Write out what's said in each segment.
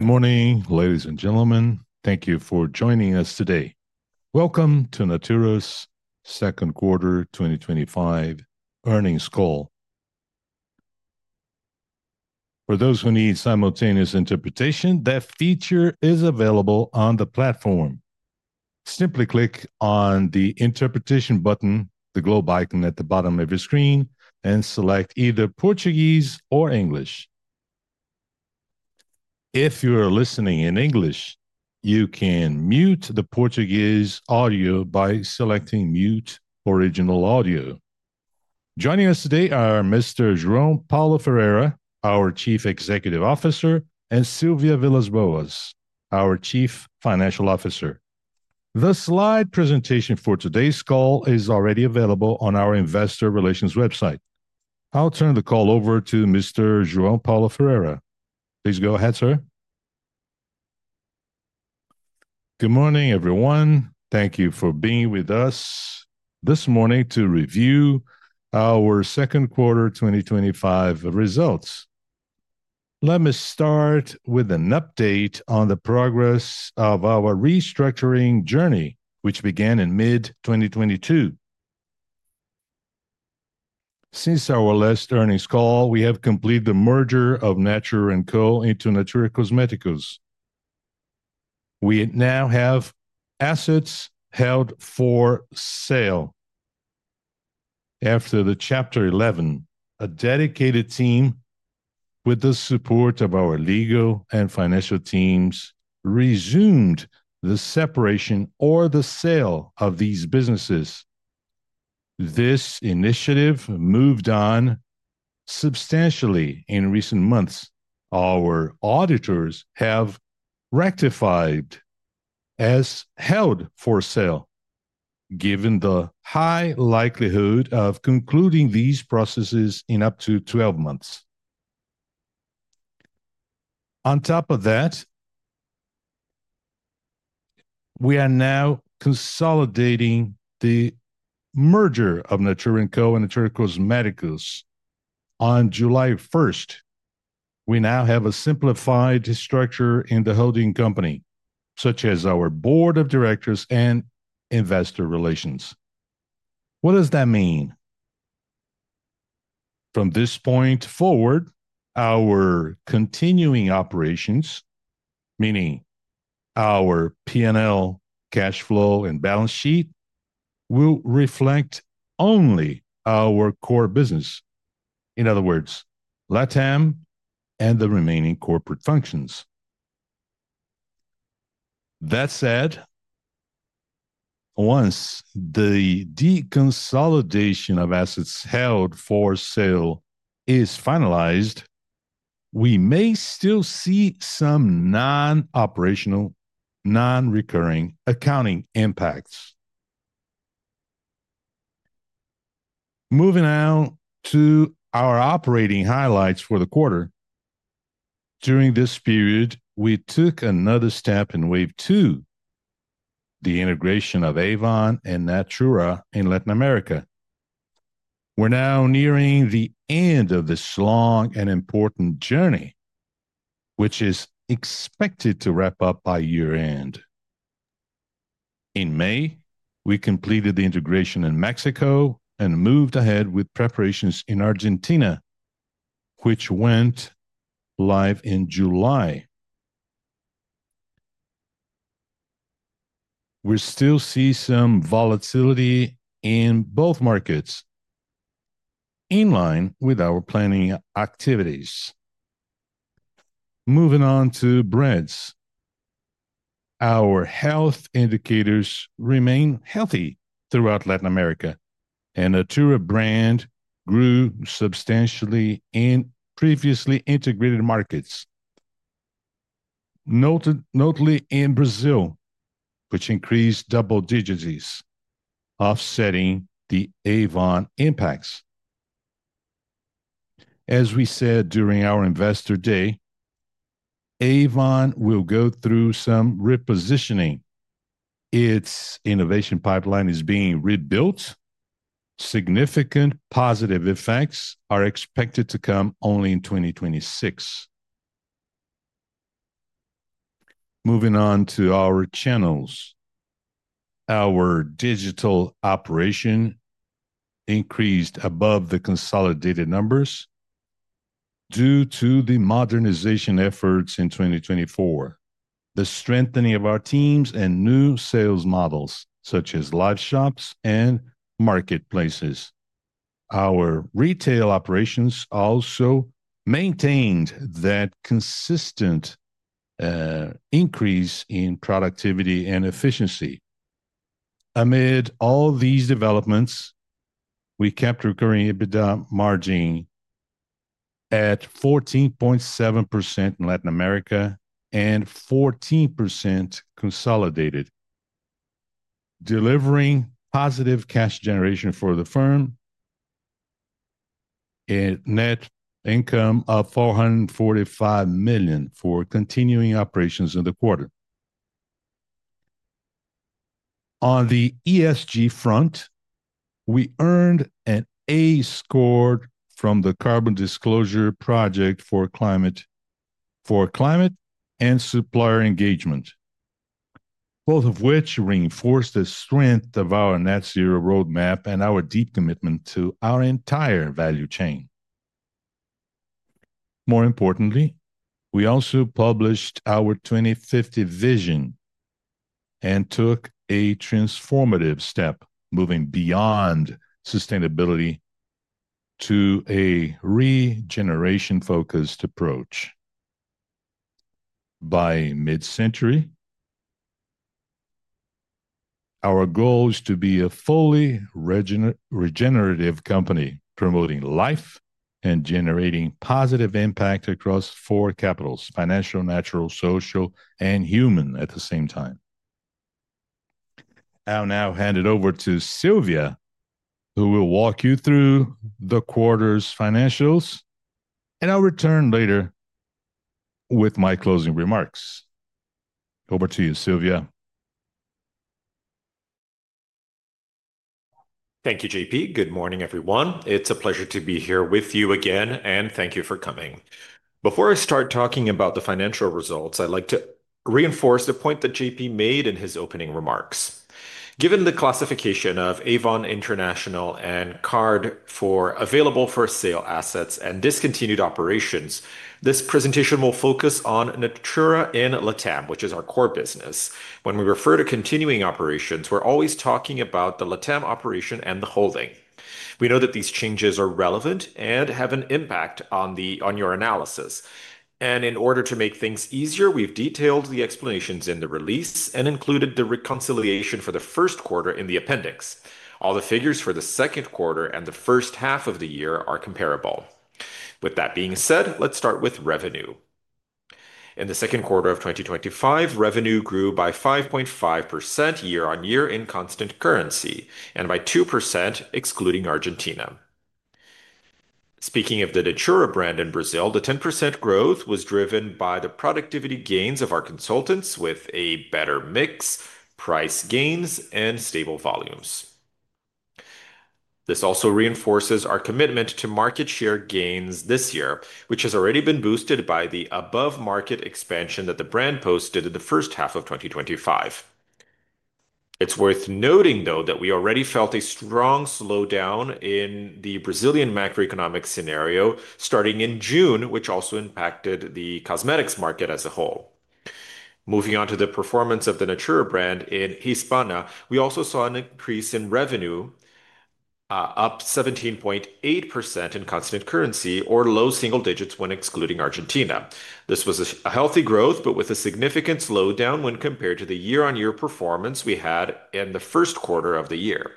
Good morning, ladies and gentlemen. Thank you for joining us today. Welcome to Natura's Second Quarter 2025 Earnings Call. For those who need simultaneous interpretation, that feature is available on the platform. Simply click on the interpretation button, the globe icon at the bottom of your screen, and select either Portuguese or English. If you are listening in English, you can mute the Portuguese audio by selecting Mute original audio. Joining us today are Mr. João Paulo Ferreira, our Chief Executive Officer, and Silvia Vilas Boas, our Chief Financial Officer. The slide presentation for today's call is already available on our investor relations website. I'll turn the call over to Mr. João Paulo Ferreira. Please go ahead, sir. Good morning, everyone. Thank you for being with us this morning. To review our second quarter 2025 results, let me start with an update on the progress of our restructuring journey, which began in mid-2022. Since our last earnings call, we have completed the merger of Natura &Co into Natura Cosméticos. We now have assets held for sale. After the Chapter 11, a dedicated team with the support of our legal and financial teams resumed the separation or the sale of these businesses. This initiative moved on substantially in recent months. Our auditors have rectified as held for sale given the high likelihood of concluding these processes in up to 12 months. On top of that, we are now consolidating the merger of Natura &Co and Natura Cosméticos on July 1st. We now have a simplified structure in the holding company, such as our Board of Directors and investor relations. What does that mean? From this point forward, our continuing operations, meaning our P&L, cash flow, and balance sheet, will reflect only our core business. In other words, Latam and the remaining corporate functions. That said, once the deconsolidation of assets held for sale is finalized, we may still see some non-operational, non-recurring accounting impacts. Moving on to our operating highlights for the quarter. During this period, we took another step in Wave Two, the integration of Avon and Natura in Latin America. We're now nearing the end of this long and important journey, which is expected to wrap up by year end. In May, we completed the integration in Mexico and moved ahead with preparations in Argentina, which went live in July. We still see some volatility in both markets in line with our planning activities. Moving on to brands, our health indicators remain healthy throughout Latin America and Natura brand grew substantially in previously integrated markets, notably in Brazil which increased double digits offsetting the Avon impacts. As we said during our investor day, Avon will go through some repositioning. Its innovation pipeline is being rebuilt. Significant positive effects are expected to come only in 2026. Moving on to our channels, our digital operation increased above the consolidated numbers due to the modernization efforts in 2024, the strengthening of our teams and new sales models such as live shops and marketplaces. Our retail operations also maintained that consistent increase in productivity and efficiency. Amid all these developments, we kept recurring EBITDA margin at 14.7% in Latin America and 14% consolidated, delivering positive cash generation for the firm and net income of 445 million for continuing operations in the quarter. On the ESG front, we earned an A score from the Carbon Disclosure Project for climate and supplier engagement, both of which reinforce the strength of our net zero roadmap and our deep commitment to our entire value chain. More importantly, we also published our 2050 vision and took a transformative step moving beyond sustainability to a regeneration focused approach by mid century. Our goal is to be a fully regenerative company promoting life and generating positive impact across four capitals: financial, natural, social and human at the same time. I'll now hand it over to Silvia who will walk you through the quarter's financials and I'll return later with my closing remarks. Over to you Silvia. Thank you, JP. Good morning, everyone. It's a pleasure to be here with you again, and thank you for coming. Before I start talking about the financial results, I'd like to reinforce a point that JP made in his opening remarks. Given the classification of Avon International and CARD for available for sale assets and discontinued operations, this presentation will focus on Natura in Latam, which is our core business. When we refer to continuing operations, we're always talking about the Latam operation and the holding. We know that these changes are relevant and have an impact on your analysis, and in order to make things easier, we've detailed the explanations in the release and included the reconciliation for the first quarter in the appendix. All the figures for the second quarter and the first half of the year are comparable. With that being said, let's start with revenue. In the second quarter of 2025, revenue grew by 5.5% year-on-year in constant currency and by 2% excluding Argentina. Speaking of the Natura brand in Brazil, the 10% growth was driven by the productivity gains of our consultants with a better mix, price gains, and stable volumes. This also reinforces our commitment to market share gains this year, which has already been boosted by the above market expansion that the brand posted in the first half of 2025. It's worth noting, though, that we already felt a strong slowdown in the Brazilian macroeconomic scenario starting in June, which also impacted the cosmetics market as a whole. Moving on to the performance of the Natura brand in Hispanic, we also saw an increase in revenue, up 17.8% in constant currency or low single digits. When excluding Argentina, this was a healthy growth, but with a significant slowdown when compared to the year-on-year performance we had in the first quarter of the year.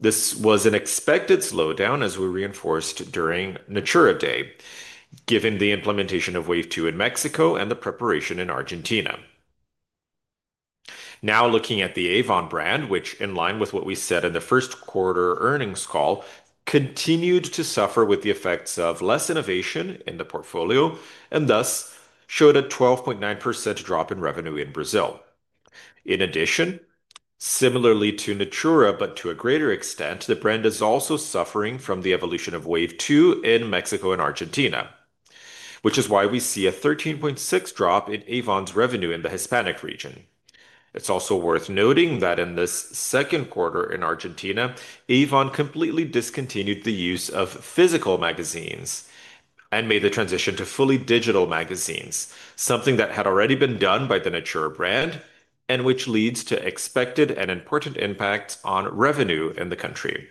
This was an expected slowdown as we reinforced during Natura Day given the implementation of Wave Two in Mexico and the preparation in Argentina. Now, looking at the Avon brand, which in line with what we said in the first quarter earnings call, continued to suffer with the effects of less innovation in the portfolio and thus showed a 12.9% drop in revenue in Brazil. In addition, similarly to Natura, but to a greater extent, the brand is also suffering from the evolution of Wave Two in Mexico and Argentina, which is why we see a 13.6% drop in Avon's revenue in the Hispanic region. It's also worth noting that in this second quarter in Argentina, Avon completely discontinued the use of physical magazines and made the transition to fully digital magazines, something that had already been done by the Natura brand and which leads to expected and important impacts on revenue in the country.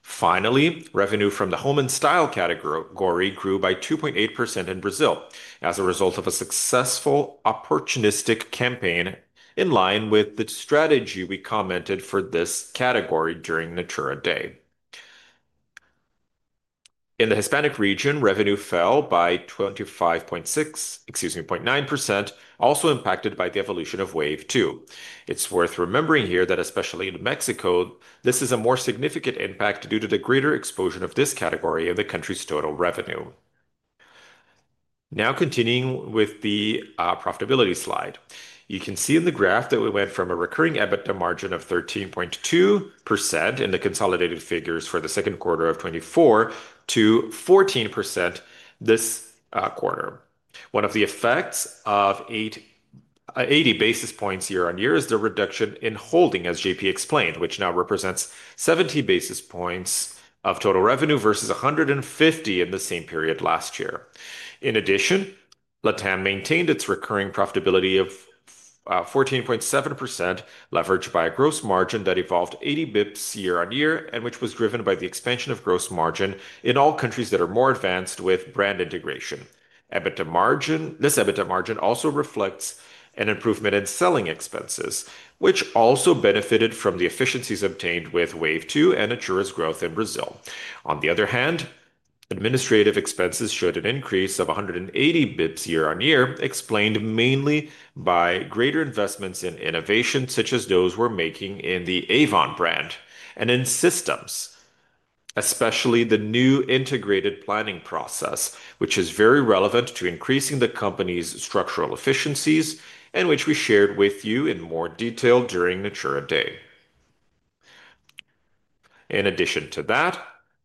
Finally, revenue from the home and style category grew by 2.8% in Brazil as a result of a successful opportunistic campaign. In line with the strategy we commented for this category during Natura Day. In the Hispanic region, revenue fell by 25.6%. Excuse me, 25.9%, also impacted by the evolution of Wave Two. It's worth remembering here that especially in Mexico, this is a more significant impact due to the greater exposure of this category of the country's total revenue. Now continuing with the profitability slide, you can see in the graph that we went from a recurring EBITDA margin of 13.2% in the consolidated figures for second quarter of 2024 to 14% this quarter. One of the effects of 80 basis points year-on-year is the reduction in holding, as JP explained, which now represents 70 basis points of total revenue versus 150 basis points in the same period last year. In addition, Latam maintained its recurring profitability of 14.7% leveraged by a gross margin that evolved 80 bps year-on-year and which was driven by the expansion of gross margin in all countries that are more advanced with brand integration. This EBITDA margin also reflects an improvement in selling expenses, which also benefited from the efficiencies obtained with Wave Two and Natura's growth in Brazil. On the other hand, administrative expenses showed an increase of 180 bps year-on-year, explained mainly by greater investments in innovation such as those we're making in the Avon brand and in systems, especially the new integrated planning process, which is very relevant to increasing the company's structural efficiencies and which we shared with you in more detail during Natura Day. In addition to that,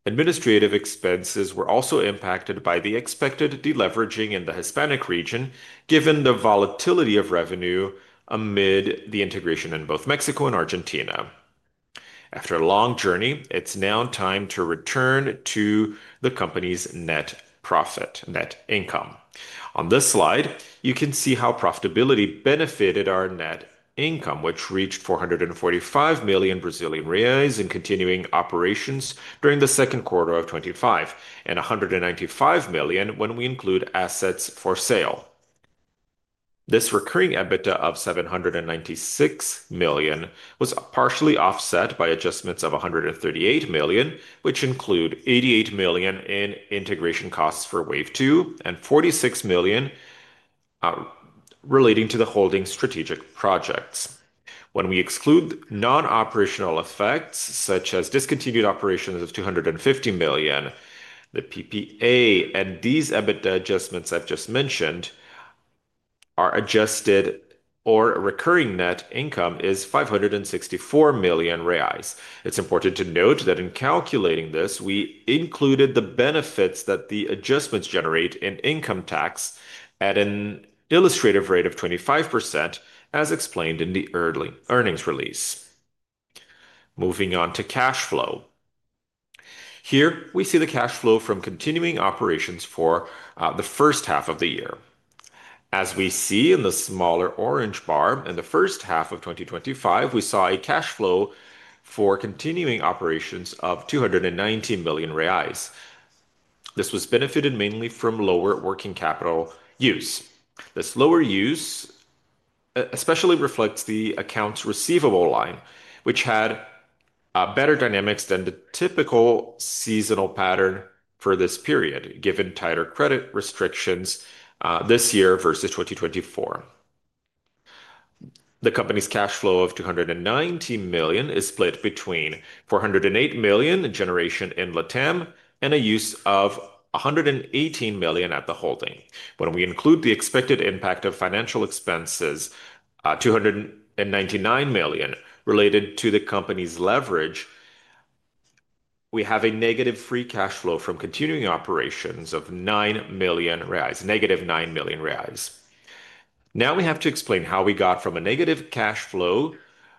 administrative expenses were also impacted by the expected deleveraging in the Hispanic region, given the volatility of revenue amid the integration in both Mexico and Argentina. After a long journey, it's now time to return to the company's net profit, net income. On this slide you can see how profitability benefited our net income, which reached 445 million Brazilian reais in continuing operations during second quarter of 2025 and 195 million when we include assets for sale. This recurring EBITDA of 796 million was partially offset by adjustments of 138 million, which include 88 million in integration costs for Wave Two and 46 million relating to the holding strategic projects. When we exclude non-operational effects such as discontinued operations of 250 million, the PPA, and these EBITDA adjustments I've just mentioned, our adjusted or recurring net income is 564 million reais. It's important to note that in calculating this, we included the benefits that the adjustments generate in income tax at an illustrative rate of 25% as explained in the early earnings release. Moving on to cash flow, here we see the cash flow from continuing operations for the first half of the year, as we see in the smaller orange bar. In the first half of 2025, we saw a cash flow for continuing operations of 290 million reais. This was benefited mainly from lower working capital use. The slower use especially reflects the accounts receivable line, which had better dynamics than the typical seasonal pattern for this period given tighter credit restrictions this year versus 2024. The company's cash flow of 290 million is split between 408 million generation in Latam and a use of 118 million at the holding. When we include the expected impact of financial expenses, 299 million related to the company's leverage, we have a negative free cash flow from continuing operations of 9 million reais. -9 million reais. Now we have to explain how we got from a negative cash flow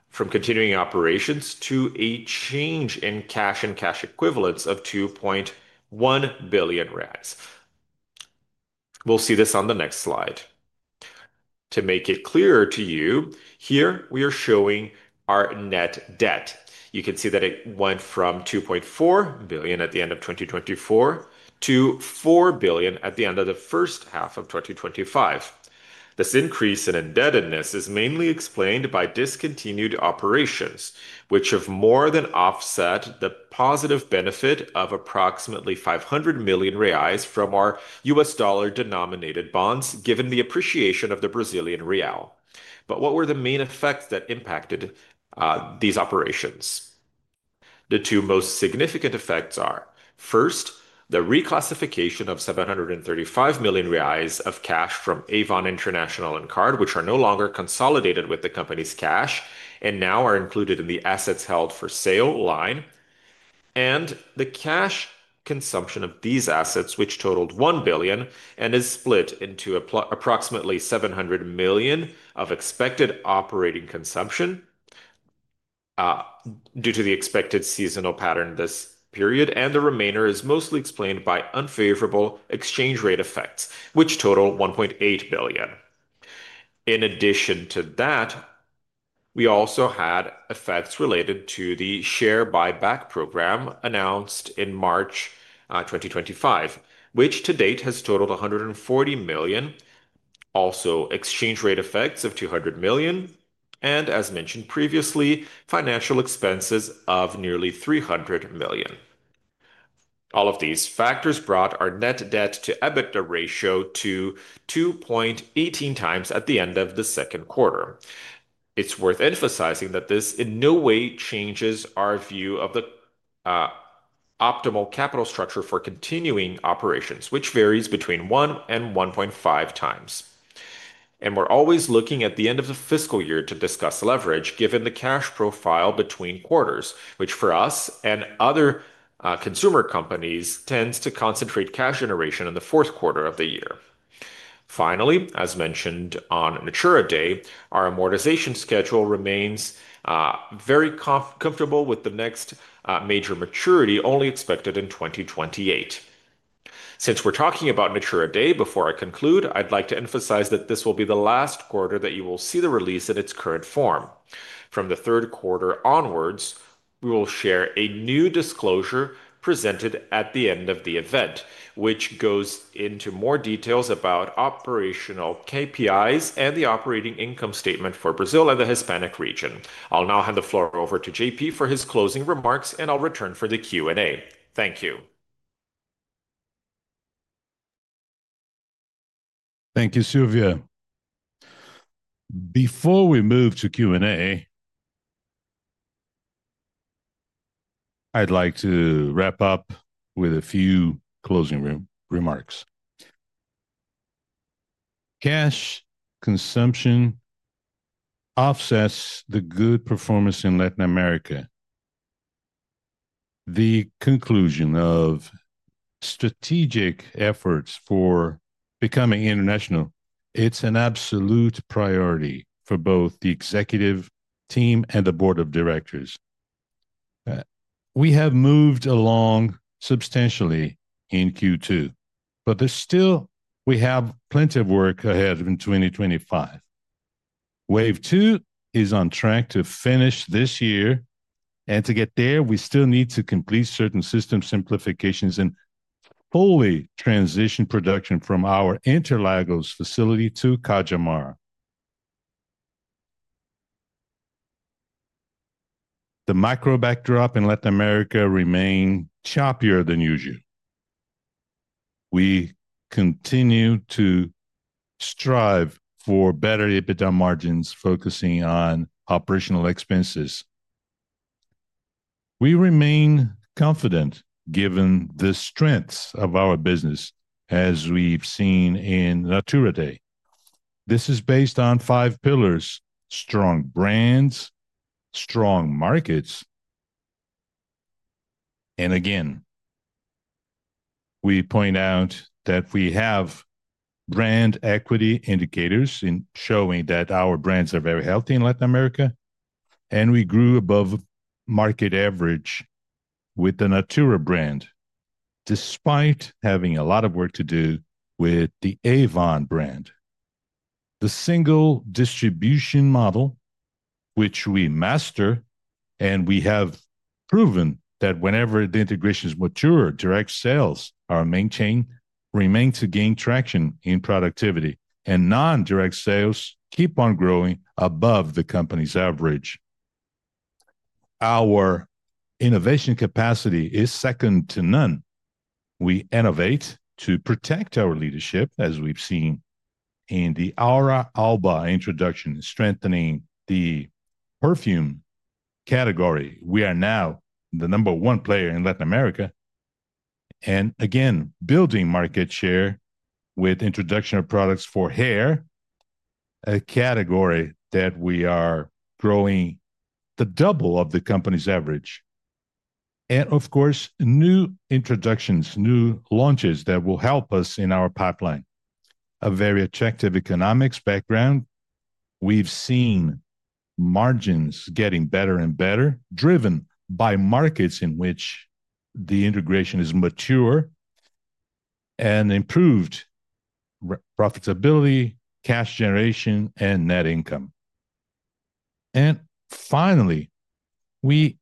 from continuing operations to a change in cash and cash equivalents of BRL 2.1 billion? We'll see this on the next slide to make it clearer to you. Here we are showing our net debt. You can see that it went from 2.4 billion at the end of 2024 to 4 billion at the end of the first half of 2025. This increase in indebtedness is mainly explained by discontinued operations, which have more than offset the positive benefit of approximately 500 million reais from our U.S. dollar-denominated bonds given the appreciation of the Brazilian real. What were the main effects that impacted these operations? The two most significant effects. First, the reclassification of 735 million reais of cash from Avon International and CARD, which are no longer consolidated with the company's cash and now are included in the assets held for sale line. The cash consumption of these assets, which totaled 1 billion, is split into approximately 700 million of expected operating consumption due to the expected seasonal pattern this period, and the remainder is mostly explained by unfavorable exchange rate effects, which total 1.8 billion. In addition to that, we also had effects related to the share buyback program announced in March 2025, which to date has totaled 140 million. Also, exchange rate effects of 200 million and, as mentioned previously, financial expenses of nearly 300 million. All of these factors brought our net debt to EBITDA ratio to 2.18 times at the end of the second quarter. It's worth emphasizing that this in no way changes our view of the optimal capital structure for continuing operations, which varies between 1 and 1.5 times. We're always looking at the end of the fiscal year to discuss leverage, given the cash profile between quarters, which for us and other consumer companies tends to concentrate cash generation in the fourth quarter of the year. Finally, as mentioned on Natura Day, our amortization schedule remains very comfortable, with the next major maturity only expected in 2028. Since we're talking about Natura Day, before I conclude, I'd like to emphasize that this will be the last quarter that you will see the release in its current form. From the third quarter onwards, we will share a new disclosure presented at the end of the event, which goes into more details about operational KPIs and the operating income statement for Brazil and the Hispanic region. I'll now hand the floor over to JP for his closing remarks and I'll return for the Q&A. Thank you. Thank you, Silvia. Before we move to Q and A, I'd like to wrap up with a few closing remarks. Cash consumption offsets the good performance in Latin America. The conclusion of strategic efforts for becoming international is an absolute priority for both the Executive Team and the Board of Directors. We have moved along substantially in Q2, but there's still plenty of work ahead in 2025. Wave Two is on track to finish this year, and to get there we still need to complete certain system simplifications and fully transition production from our Interlagos facility to Cajamar. The micro backdrop in Latin America remains choppier than usual. We continue to strive for better EBITDA margins, focusing on operational expenses. We remain confident given the strengths of our business. As we've seen in Natura Day, this is based on five pillars: strong brands, strong markets. And again. We point out that we have brand equity indicators showing that our brands are very healthy in Latin America. We grew above market average with the Natura brand, despite having a lot of work to do with the Avon brand, the single distribution model which we master. We have proven that whenever the integrations mature, direct sales are maintained, remain to gain traction in productivity, and non-direct sales keep on growing above the company's average. Our innovation capacity is second to none. We innovate to protect our leadership as we've seen in the Aura Alba introduction, strengthening the perfume category. We are now the number one player in Latin America and again building market share with introduction of products for hair, a category that we are growing at double the company's average. Of course, new introductions and new launches will help us in our pipeline. A very attractive economics background. We've seen margins getting better and better, driven by markets in which the integration is mature and improved profitability, cash generation, and net income. Finally, we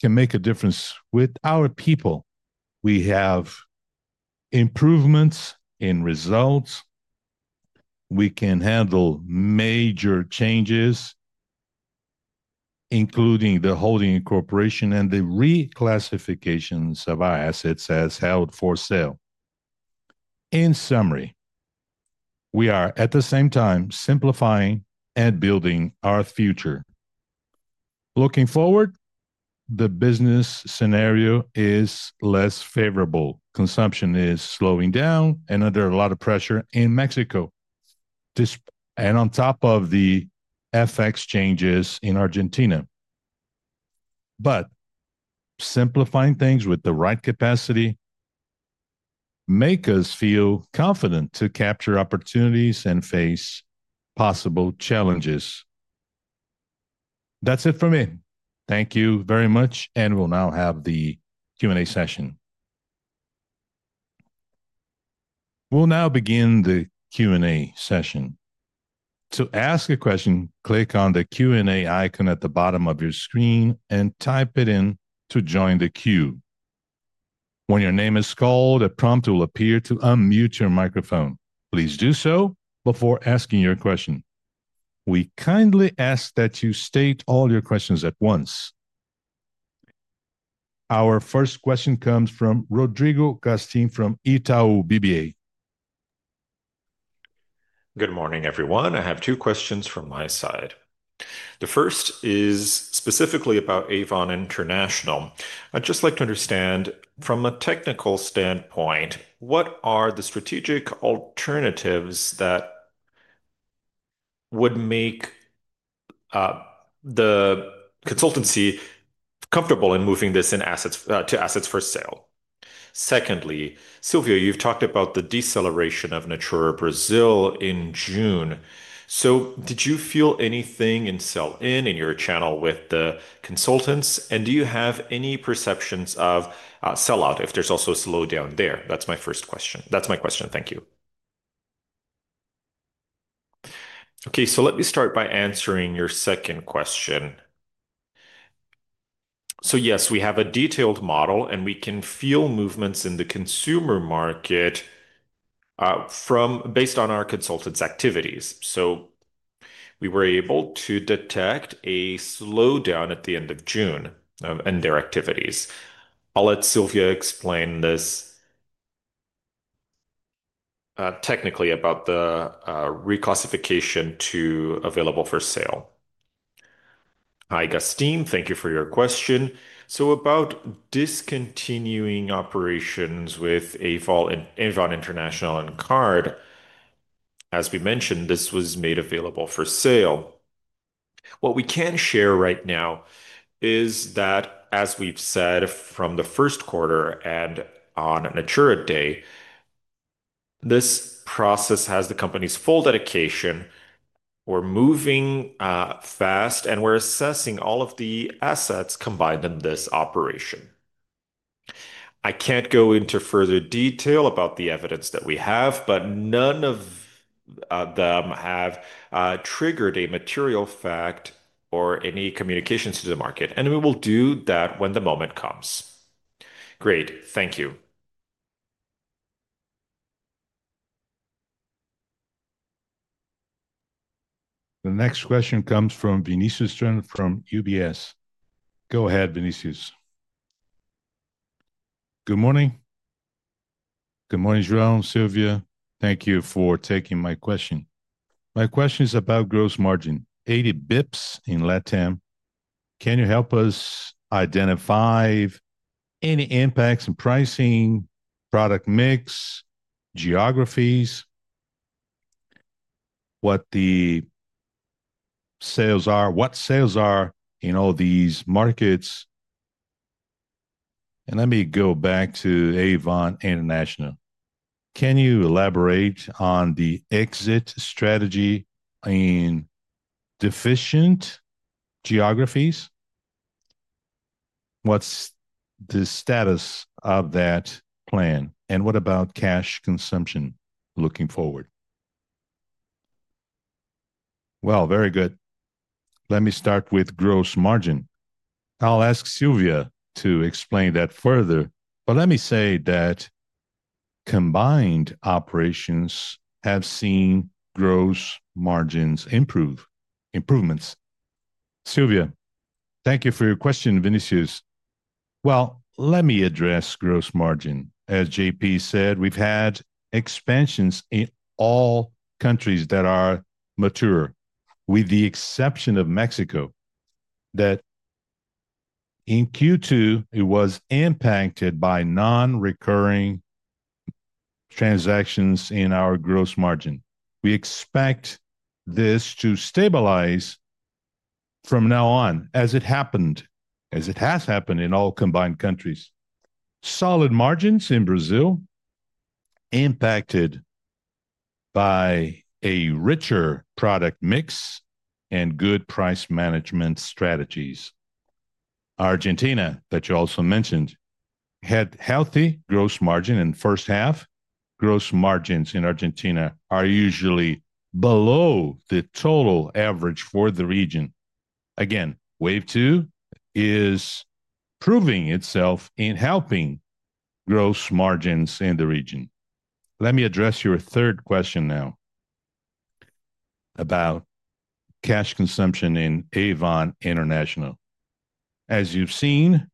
can make a difference with our people. We have improvements in results, we can handle major changes, including the holding, incorporation, and the reclassifications of our assets as held for sale. In summary, we are at the same time simplifying and building our future. Looking forward, the business scenario is less favorable, consumption is slowing down and under a lot of pressure in Mexico and on top of the FX changes in Argentina. Simplifying things with the right capacity makes us feel confident to capture opportunities and face possible challenges. That's it for me. Thank you very much. We'll now have the Q and A session. We'll now begin the Q and A session. To ask a question, click on the Q and A icon at the bottom of your screen and type it in to join the queue. When your name is called, a prompt will appear to unmute your microphone. Please do so. Before asking your question, we kindly ask that you state all your questions at once. Our first question comes from Rodrigo Gastim from Itaú BBA. Good morning everyone. I have two questions from my side. The first is specifically about Avon International. I'd just like to understand from a technical standpoint what are the strategic alternatives that would make the consultancy comfortable in moving this in assets to assets for sale? Secondly, Silvia, you've talked about the deceleration of Natura Brazil in June. Did you feel anything in sell in in your channel with the consultants? Do you have any perceptions of sellout if there's also a slowdown? That's my question. Thank you. Okay, let me start by answering your second question. Yes, we have a detailed model and we can feel movements in the consumer market based on our consultants' activities. We were able to detect a slowdown at the end of June in their activities. I'll let Silvia explain this technically about the reclassification to available for sale. Hi Gastim, thank you for your question. About discontinuing operations with Avon International and CARD, as we mentioned, this was made available for sale. What we can share right now is that as we've said from the first quarter and on Natura Day, this process has the company's full dedication. We're moving fast and we're assessing all of the assets combined in this operation. I can't go into further detail about the evidence that we have but none of them have triggered a material fact or any communications to the market. We will do that when the moment comes. Great, thank you. The next question comes from Vinícius Strano from UBS. Go ahead, Vinícius. Good morning. Good morning, João. Silvia, thank you for taking my question. My question is about gross margin. 80 bps in Latam. Can you help us identify any impacts in pricing, product mix, geographies? What the sales are, what sales are in all these markets? Let me go back to Avon International. Can you elaborate on the exit strategy in deficient geographies? What's the status of that plan? and what about cash consumption? looking forward. Very good. Let me start with gross margin. I'll ask Silvia to explain that further. Let me say that combined operations have seen gross margin improvements. Silvia. Thank you for your question, Vinícius. Let me address gross margin. As JP said, we've had expansions in all countries that are mature with the exception of Mexico, that in Q2 it was impacted by non-recurring transactions in our gross margin. We expect this to stabilize from now on, as it has happened in all combined countries. Solid margins in Brazil impacted by a richer product mix and good price management strategies. Argentina that you also mentioned had healthy gross margin in first half. Gross margins in Argentina are usually below the total average for the region. Again, Wave Two is proving itself in helping gross margins in the region. Let me address your third question now about cash consumption in Avon International. As you've seen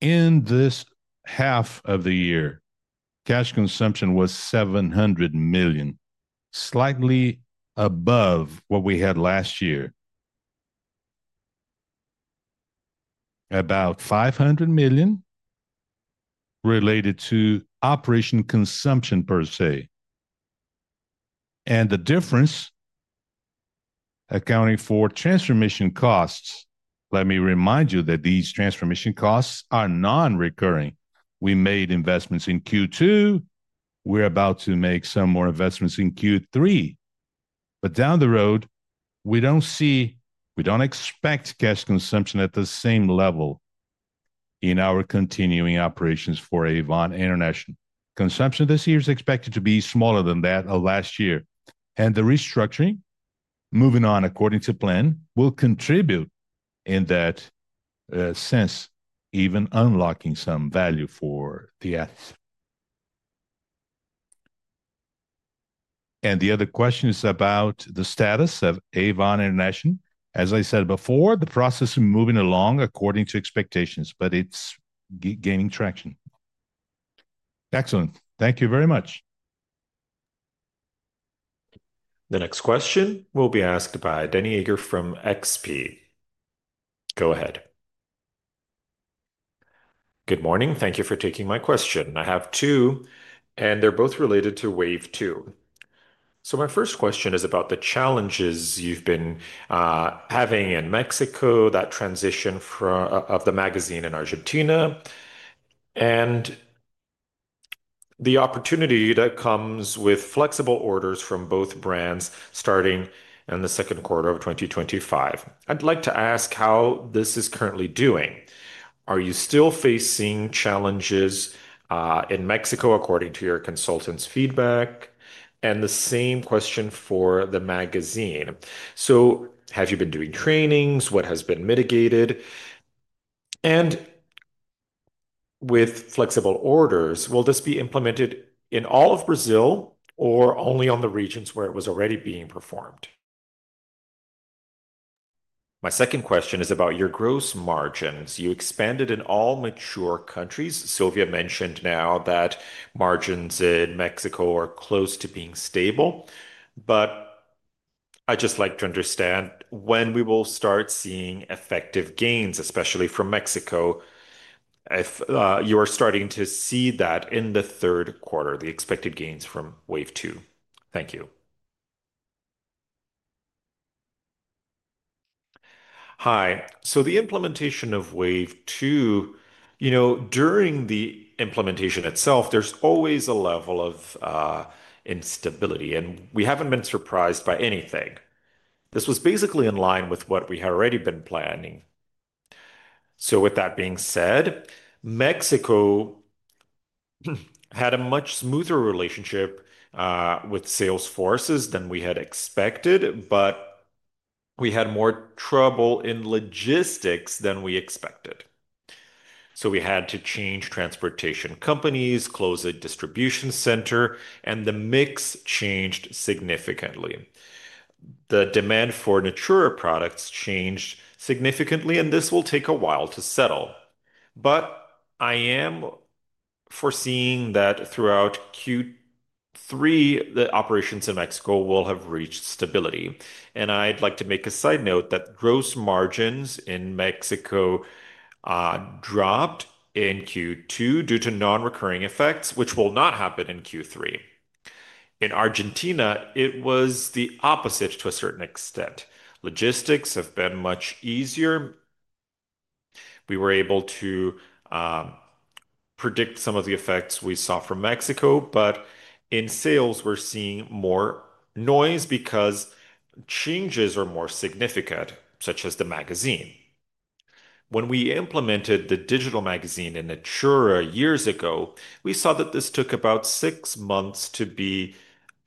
in this half of the year, cash consumption was 700 million, slightly above what we had last year, about 500 million, related to operation consumption per se and the difference accounting for transformation costs. Let me remind you that these transformation costs are non-recurring. We made investments in Q2, we're about to make some more investments in Q3, but down the road we don't expect cash consumption at the same level in our continuing operations. For Avon International, consumption this year is expected to be smaller than that of last year. The restructuring moving on according to plan will contribute in that sense, even unlocking some value for the [FX]. The other question is about the status of Avon International. As I said before, the process moving along according to expectations, but it's gaining traction. Excellent. Thank you very much. The next question will be asked by Danni Eiger from XP. Go ahead. Good morning. Thank you for taking my question. I have two and they're both related to Wave Two. My first question is about the challenges you've been having in Mexico, that transition of the magazine in Argentina, and the opportunity that comes with flexible orders from both brands starting in the second quarter of 2025. I'd like to ask how this is currently doing? Are you still facing challenges in Mexico according to your consultants' feedback, and the same question for the magazine? Have you been doing trainings? What has been mitigated? With flexible orders, will this be implemented in all of Brazil or only in the regions where it was already being performed? My second question is about your gross margins. You expanded in all mature countries. Silvia mentioned now that margins in Mexico are close to being stable, but I'd just like to understand when we will start seeing effective gains, especially from Mexico? if you are starting to see that in the third quarter, the expected gains from Wave Two. Thank you. The implementation of Wave Two, during the implementation itself, there's always a level of instability and we haven't been surprised by anything. This was basically in line with what we had already been planning. With that being said, Mexico had a much smoother relationship with salesforces than we had expected, but we had more trouble in logistics than we expected. We had to change transportation companies, close a distribution center, and the mix changed significantly. The demand for Natura products changed significantly, and this will take a while to settle. I am foreseeing that throughout Q3 the operations in Mexico will have reached stability. I'd like to make a side note that gross margins in Mexico dropped in Q2 due to non-recurring effects, which will not happen in Q3. In Argentina it was the opposite to a certain extent. Logistics have been much easier. We were able to predict some of the effects we saw from Mexico, but in sales we're seeing more noise because changes are more significant, such as the magazine. When we implemented the digital magazine in Natura years ago, we saw that this took about six months to be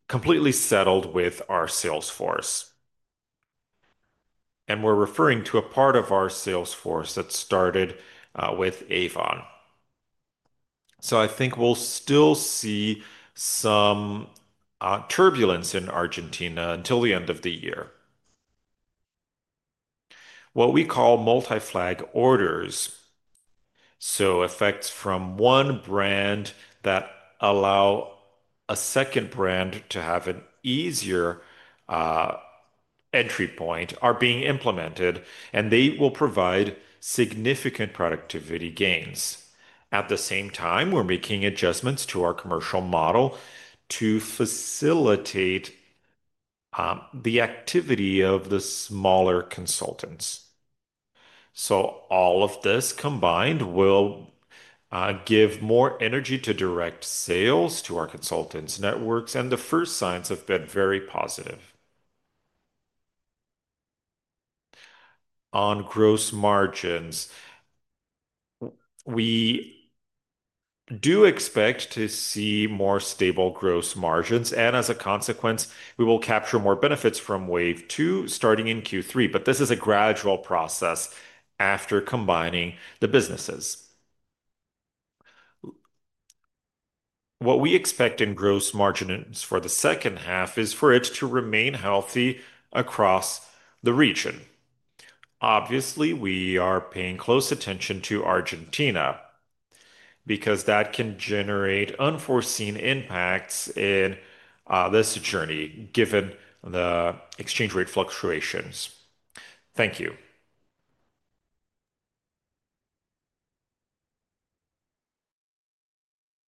completely settled with our salesforce, and we're referring to a part of our salesforce that started with Avon. I think we'll still see some turbulence in Argentina until the end of the year. What we call multi-flag orders, so effects from one brand that allows a second brand to have an easier entry point, are being implemented and they will provide significant productivity gains. At the same time, we're making adjustments to our commercial model to facilitate the activity of the smaller consultants. All of this combined will give more energy to direct sales to our consultants networks. The first signs have been very positive on gross margins. We do expect to see more stable gross margins, and as a consequence, we will capture more benefits from Wave Two starting in Q3. This is a gradual process, and after combining the businesses, what we expect in gross margins for the second half is for it to remain healthy across the region. Obviously, we are paying close attention to Argentina because that can generate unforeseen impacts in this journey given the exchange rate fluctuations. Thank you.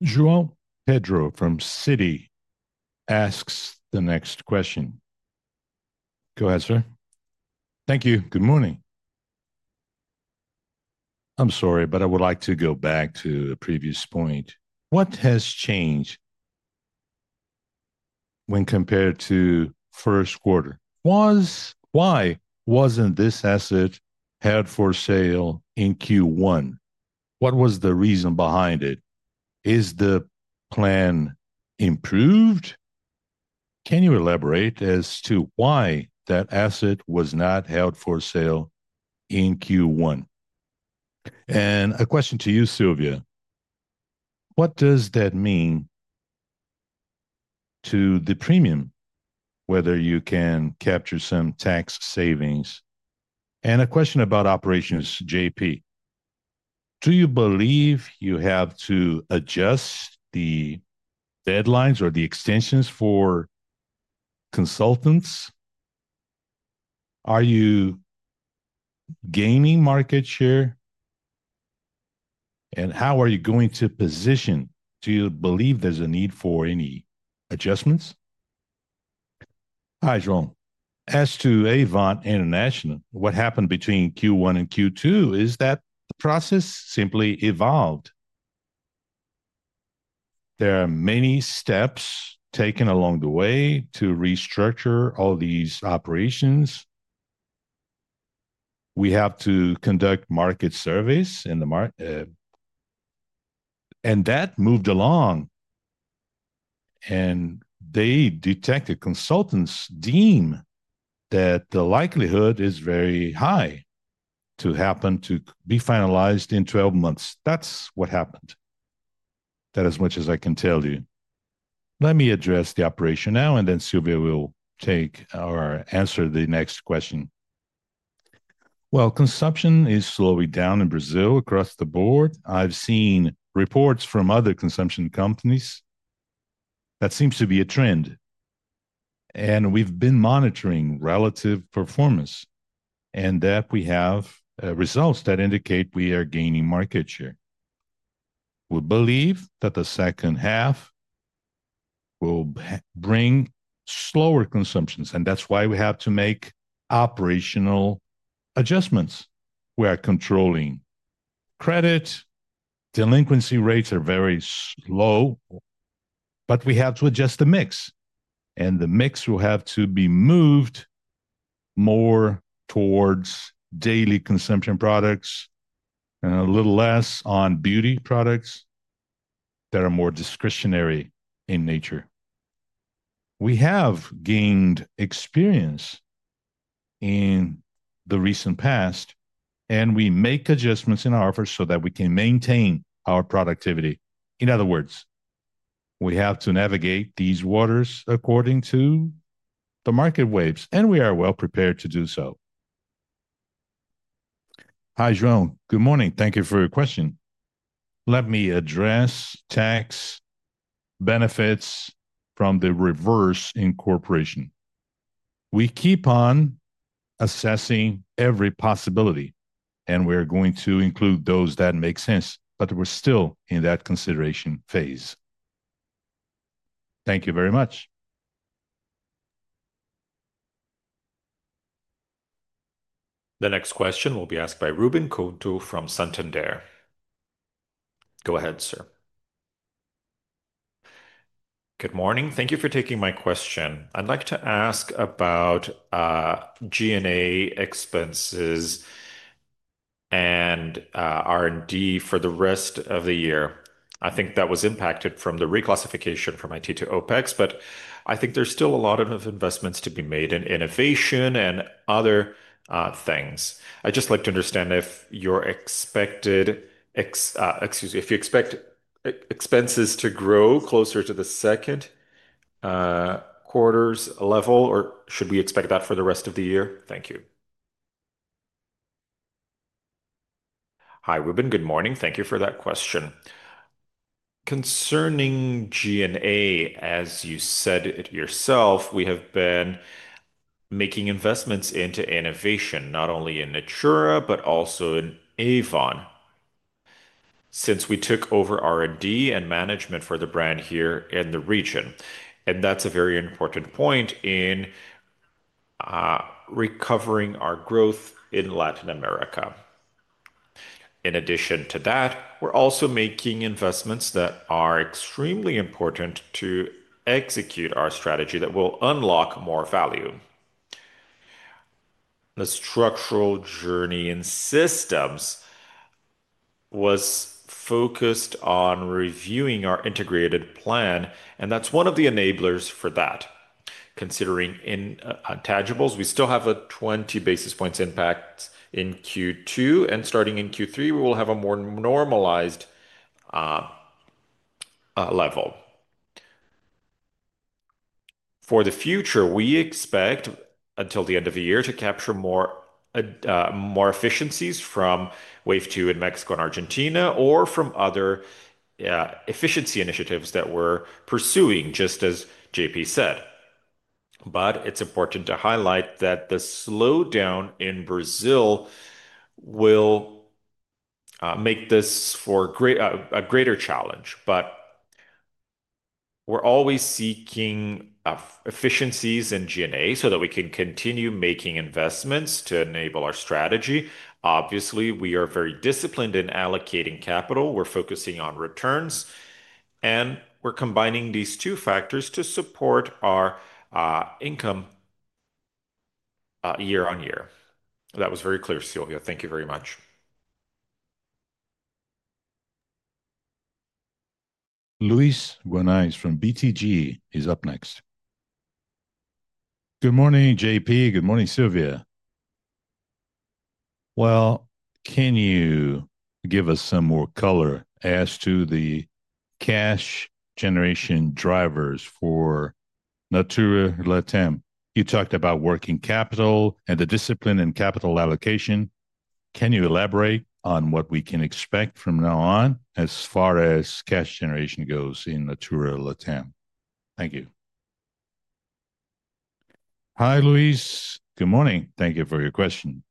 João Pedro from Citi asks the next question. Go ahead, sir. Thank you. Good morning. I'm sorry, but I would like to go back to the previous point. What has changed when compared to the first quarter was why wasn't this asset held for sale in Q1? What was the reason behind it? Is the plan improved? Can you elaborate as to why that asset was not held for sale in Q1? A question to you, Silvia. What does that mean to the premium? Whether you can capture some tax savings? A question about operations, JP, do you believe you have to adjust the deadlines or the extensions for consultants? Are you gaining market share and how are you going to position? Do you believe there's a need for any adjustments? Hi João. As to Avon International, what happened between Q1 and Q2 is that the process simply evolved. There are many steps taken along the way to restructure all these operations. We have to conduct market surveys in. The mar. That moved along and consultants deem that the likelihood is very high to happen, to be finalized in 12 months. That's what happened, that's as much as I can tell you. Let me address the operation now, and then Silvia will answer the next question. Consumption is slowing down in Brazil across the board. I've seen reports from other consumption companies. That seems to be a trend, and we've been monitoring relative performance, and we have results that indicate we are gaining market share. We believe that the second half will bring slower consumption, and that's why we have to make operational adjustments. We are controlling credit delinquency rates, which are very slow, but we have to adjust the mix, and the mix will have to be moved more towards daily consumption products and a little less on beauty products that are more discretionary in nature. We have gained experience in the recent past, and we make adjustments in our offers so that we can maintain our productivity. In other words, we have to navigate these waters according to the market waves, and we are well prepared to do so. Hi, João. Good morning. Thank you for your question. Let me address tax benefits from the reverse incorporation. We keep on assessing every possibility, and we're going to include those that make sense, but we're still in that consideration phase. Thank you very much. The next question will be asked by Ruben Couto from Santander. Go ahead, sir. Good morning. Thank you for taking my question. I'd like to ask about G&A expenses and R&D for the rest of the year. I think that was impacted from the reclassification from IT to OpEx, but I think there's still a lot of investments to be made in innovation and other things. I'd just like to understand if you expect expenses to grow closer to the second quarter's level or should we expect that for the rest of the year? Thank you. Hi Ruben, good morning. Thank you for that question concerning G&A. As you said it yourself, we have been making investments into innovation not only in Natura but also in Avon since we took over R&D and management for the brand here in the region. That's a very important point in recovering our growth in Latin America. In addition to that, we're also making investments that are extremely important to execute our strategy that will unlock more value. The Structural Journey and Systems was focused on reviewing our integrated plan and that's one of the enablers for that. Considering intangibles, we still have a 20 basis points impact in Q2 and starting in Q3, we will have a more normalized level. For the future we expect until the end of the year to capture more efficiencies from Wave Two in Mexico and Argentina or from other efficiency initiatives that we're pursuing, just as JP said. It's important to highlight that the slowdown in Brazil will make this a greater challenge. We're always seeking efficiencies in G&A so that we can continue making investments to enable our strategy. Obviously we are very disciplined in allocating capital. We're focusing on returns and we're combining these two factors to support our income year-on-year. That was very clear. Silvia, thank you very much. Luiz Guanais from BTG is up next. Good morning, JP. Good morning, Silvia. Can you give us some more color as to the cash generation drivers for Natura Latam? You talked about working capital and the discipline in capital allocation. Can you elaborate on what we can expect from now on as far as cash generation goes in Natura Latam? Thank you. Hi Luiz, good morning. Thank you for your question.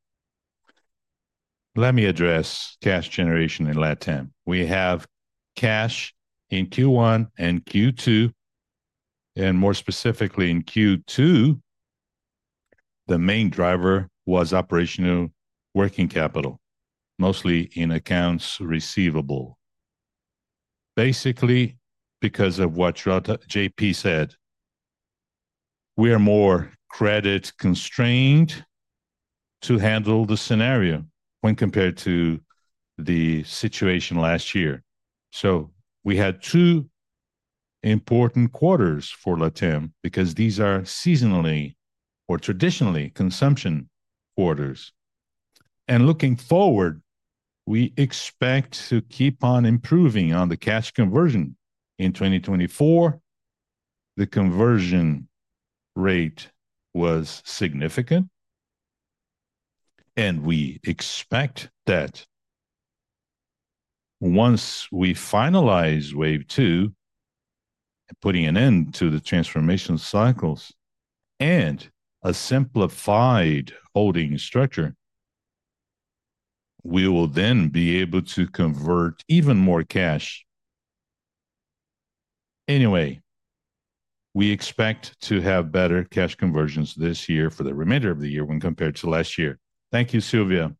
Let me address cash generation in Latam. We have cash in Q1 and Q2, and more specifically in Q2 the main driver was operational working capital, mostly in accounts receivable. Basically, because of what JP said, we are more credit constrained to handle the scenario when compared to the situation last year. We had two important quarters for Latam because these are seasonally or traditionally consumption quarters. Looking forward, we expect to keep on improving on the cash conversion in 2024. The conversion rate was significant, and we expect that once we finalize Wave Two, putting an end to the transformation cycles and a simplified holding structure, we will then be able to convert even more cash. Anyway, we expect to have better cash conversions this year for the remainder of the year when compared to last year. Thank you, Silvia.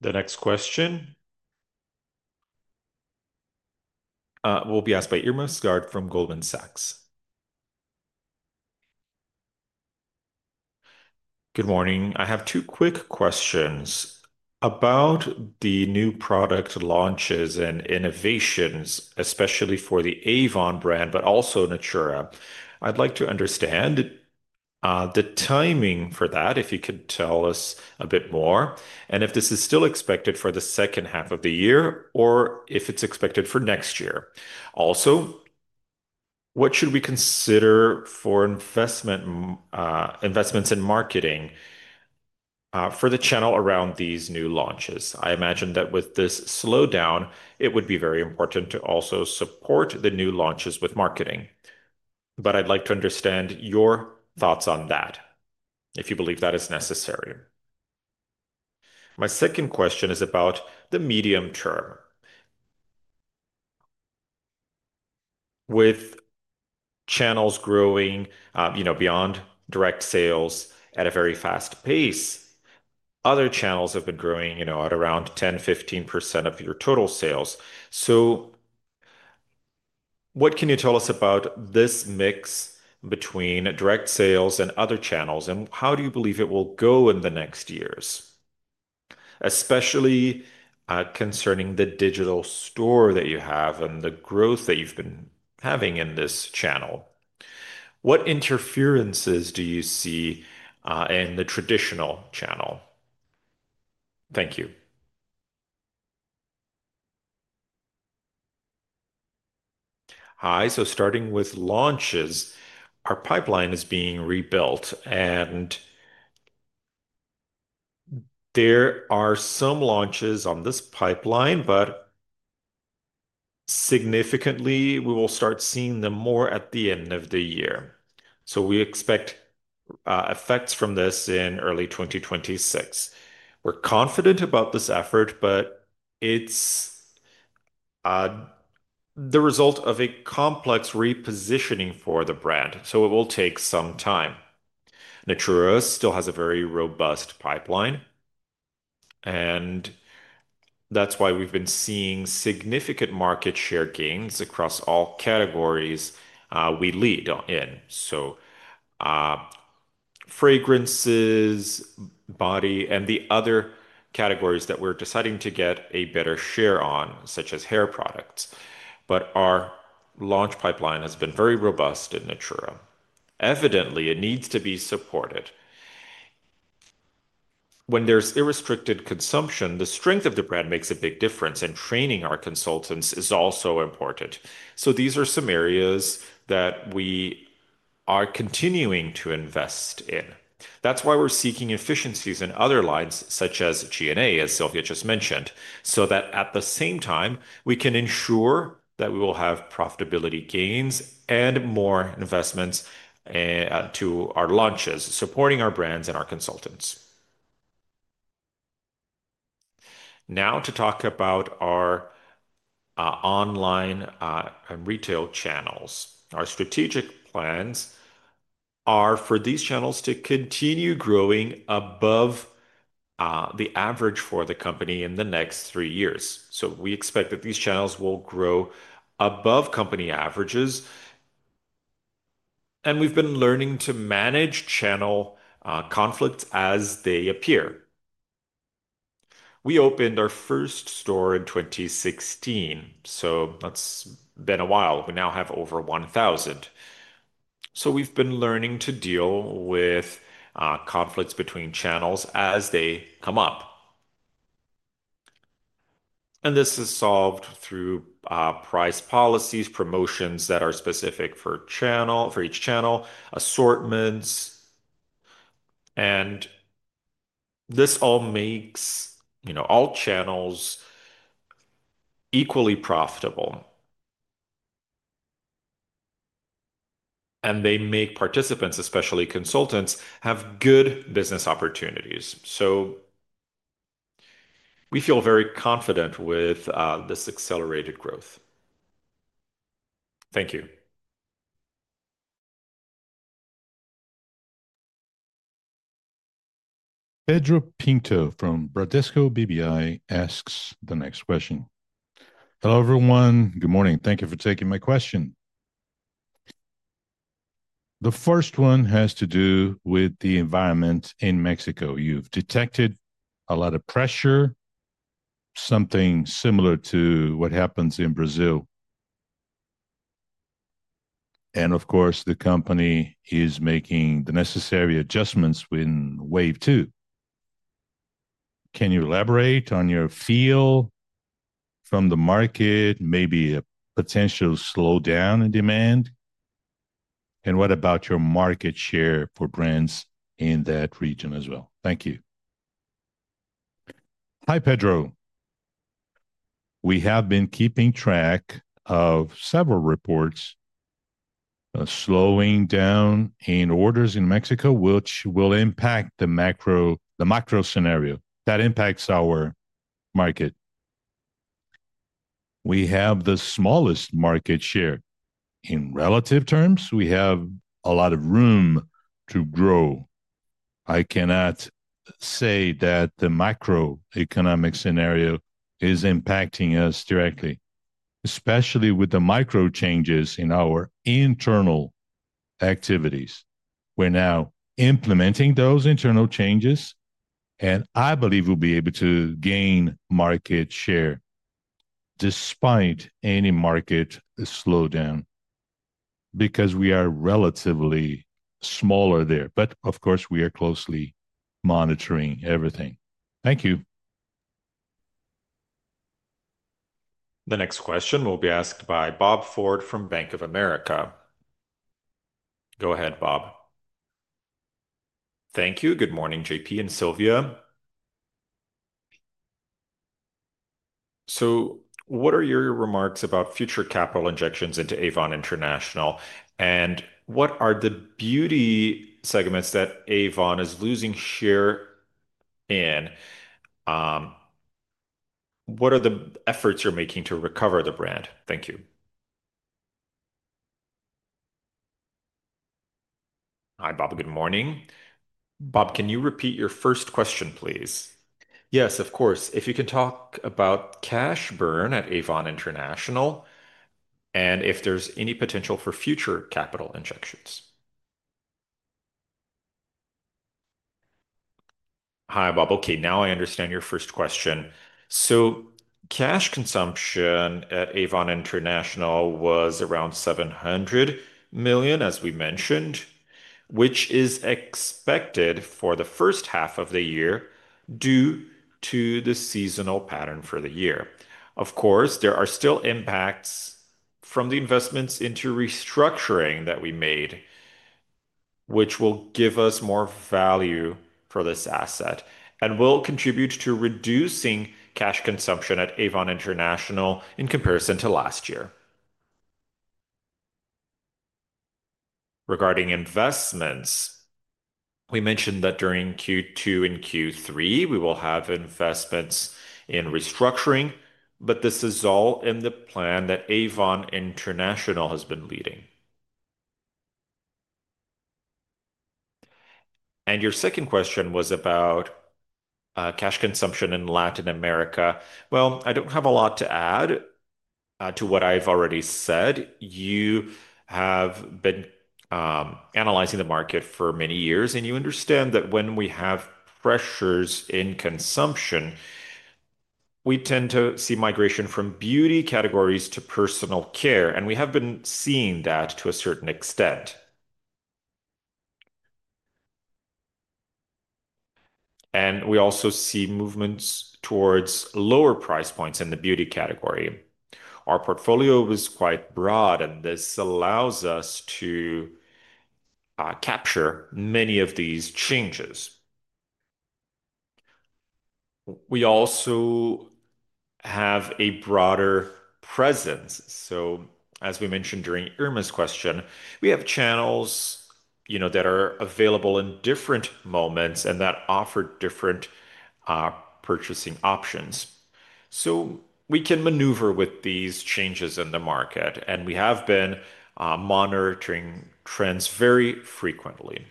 The next question will be asked by Irma Sgarz from Goldman Sachs. Good morning. I have two quick questions about the new product launches and innovations, especially for the Avon brand, but also Natura. I'd like to understand the timing for that. If you could tell us a bit more and if this is still expected for the second half of the year or if it's expected for next year? Also, what should we consider for investments in marketing for the channel around these new launches? I imagine that with this slowdown it would be very important to also support the new launches with marketing, but I'd like to understand your thoughts on that if you believe that is necessary. My second question is about the medium term with channels growing, you know, beyond direct sales at a very fast pace. Other channels have been growing at around 10%-15% of your total sales. What can you tell us about this mix between direct sales and other channels? How do you believe it will go in the next years, especially concerning the digital store that you have and the growth that you've been having in this channel? What interferences do you see in the traditional channel? Thank you. Hi. Starting with launches, our pipeline is being rebuilt and there are some launches on this pipeline, but significantly, we will start seeing them more at the end of the year. We expect effects from this in early 2026. We're confident about this effort, but it's the result of a complex repositioning for the brand, so it will take some time. Natura still has a very robust pipeline and that's why we've been seeing significant market share gains across all categories. We lead in fragrances, body, and the other categories that we're deciding to get a better share on, such as hair products. Our launch pipeline has been very robust in Natura. Evidently, it needs to be supported. When there's unrestricted consumption, the strength of the brand makes a big difference. Training our consultants is also important. These are some areas that we are continuing to invest in. That's why we're seeking efficiencies in other lines such as G&A, as Silvia just mentioned, so that at the same time we can ensure that we will have profitability gains and more investments to our launches, supporting our brands and our consultants. Now to talk about our online retail channels. Our strategic plans are for these channels to continue growing above the average for the company in the next three years. We expect that these channels will grow above company averages. We've been learning to manage channel conflicts as they appear. We opened our first store in 2016, so that's been a while. We now have over 1,000. We've been learning to deal with conflicts between channels as they come up. This is solved through price policies, promotions that are specific for each channel, assortments. This all makes all channels equally profitable, and they make participants, especially consultants, have good business opportunities. We feel very confident with this accelerated growth. Thank you. Pedro Pinto from Bradesco BBI asks the next question. Hello, everyone. Good morning. Thank you for taking my question. The first one has to do with the environment. In Mexico, you've detected a lot of pressure, something similar to what happens in Brazil. The company is making the necessary adjustments in Wave Two. Can you elaborate on your feel from the market, maybe a potential slowdown in demand? What about your market share for brands in that region as well? Thank you. Hi, Pedro. We have been keeping track of several reports slowing down in orders in Mexico, which will impact the macro. The macro scenario that impacts our market. We have the smallest market share. In relative terms, we have a lot of room to grow. I cannot say that the macroeconomic scenario is impacting us directly, especially with the micro changes in our internal activities. We're now implementing those internal changes, and I believe we'll be able to gain market share despite any market slowdown because we are relatively smaller there. Of course, we are closely monitoring everything. Thank you. The next question will be asked by Bob Ford from Bank of America. Go ahead, Bob. Thank you. Good morning, JP and Silvia. What are your remarks about future capital injections into Avon International? What are the beauty segments that Avon is losing share in? What are the efforts you're making to recover the brand? Thank you. Hi, Bob. Good morning. Bob, can you repeat your first question, please? \ Yes, of course. If you can talk about cash burn at Avon International and if there's any potential for future capital injections? Hi, Bob. Okay, now I understand your first question. Cash consumption at Avon International was around 700 million, as we mentioned, which is expected for the first half of the year due to the seasonal pattern for the year. There are still impacts from the investments into restructuring that we made, which will give us more value for this asset and will contribute to reducing cash consumption at Avon International in comparison to last year. Regarding investments, we mentioned that during Q2 and Q3 we will have investments in restructuring. This is all in the plan that Avon International has been leading. Your second question was about cash consumption in Latin America. I don't have a lot to add to what I've already said. You have been analyzing the market for many years, and you understand that when we have pressures in consumption, we tend to see migration from beauty categories to personal care. We have been seeing that to a certain extent. We also see movements towards lower price points in the beauty category. Our portfolio was quite broad, and this allows us to capture many of these changes. We also have a broader presence. As we mentioned during Irma's question, we have channels that are available in different moments and that offer different purchasing options so we can maneuver with these changes in the market. We have been monitoring trends very frequently.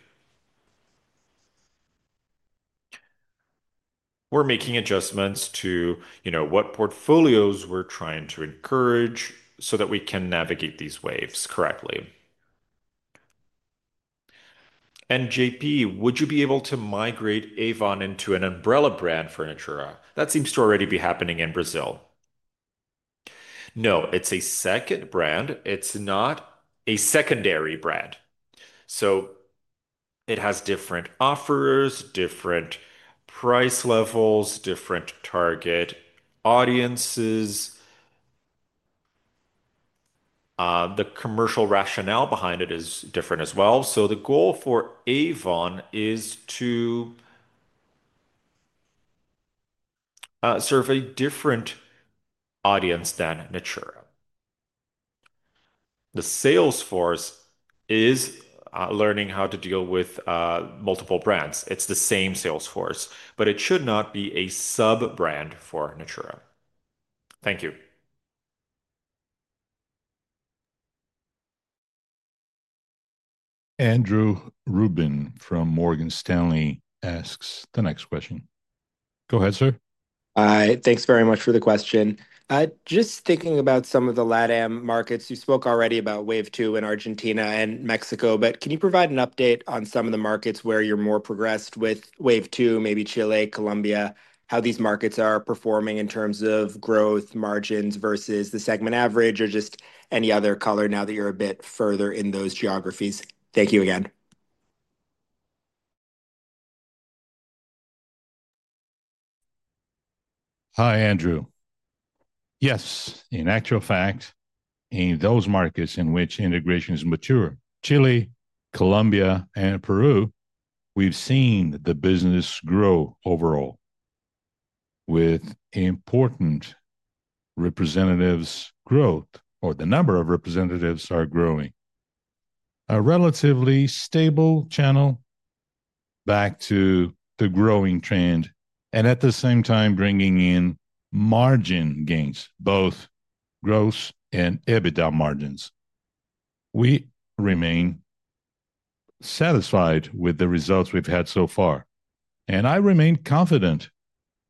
We're making adjustments to what portfolios we're trying to encourage so that we can navigate these waves correctly. JP, would you be able to migrate Avon into an umbrella brand furniture? that seems to already be happening in Brazil. No, it's a second brand, it's not a secondary brand. It has different offers, different price levels, different target audiences. The commercial rationale behind it is different as well. The goal for Avon is to serve a different audience than Natura. The sales force is learning how to deal with multiple brands. It's the same sales force, but it should not be a sub-brand for Natura. Thank you. Andrew Ruben from Morgan Stanley asks the next question. Go ahead, sir. Thanks very much for the question. Just thinking about some of the Latam markets, you spoke already about Wave Two in Argentina and Mexico, but can you provide an update on some of the markets where you're more progressed with Wave Two? Maybe Chile, Colombia, how these markets are performing in terms of growth, margins versus the segment average, or just any other color now that you're a bit further in those geographies? Thank you again. Hi Andrew. Yes, in actual fact, in those markets in which integration is mature, Chile, Colombia, and Peru, we've seen the business grow overall with important representatives. Growth or the number of representatives are growing a relatively stable channel back to the growing trend, and at the same time bringing in margin gains, both gross and EBITDA margins. We remain satisfied with the results we've had so far, and I remain confident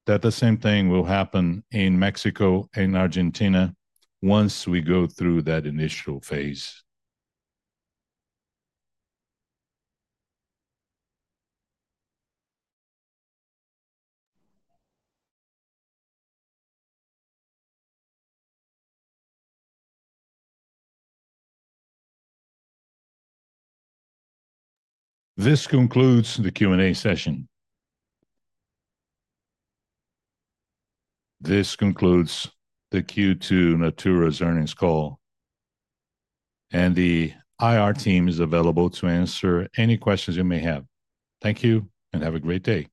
that the same thing will happen in Mexico and Argentina once we go through that initial phase. This concludes the Q&A session. This concludes the Q2 Natura's Earnings Call, and the IR team is available to answer any questions you may have. Thank you and have a great day.